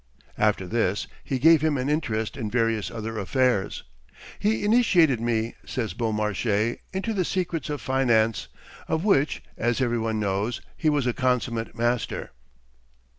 after this, he gave him an interest in various other affairs. 'He initiated me,' says Beaumarchais, 'into the secrets of finance, of which, as every one knows, he was a consummate master.'"